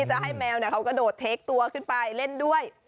จะให้แมวเขากระโดดเทคตัวขึ้นไปเล่นด้วย